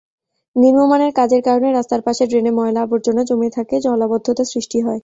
নিম্নমানের কাজের কারণে রাস্তার পাশে ড্রেনে ময়লা-আবর্জনা জমে থাকে, জলাবদ্ধতা সৃষ্টি হয়।